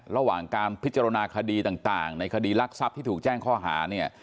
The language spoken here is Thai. ระหว่างการพิจารณาคดีต่างในคดีรักทรัพย์ที่ถูกแจ้งข้อหาเนี่ย